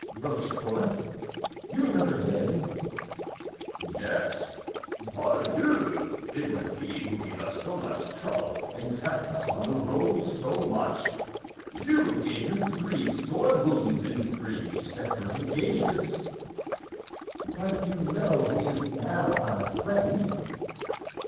"Rochefort—you remember him?" "Yes, pardieu! It was he who gave us so much trouble and kept us on the road so much; you gave him three sword wounds in three separate engagements." "But you know he is now our friend?"